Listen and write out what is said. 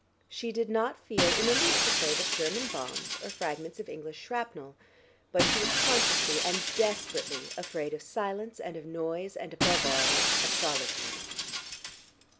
She did not feel in the least afraid of German bombs or fragments of English shrapnel, but she was consciously and desperately afraid of silence and of noise and above all of solitude.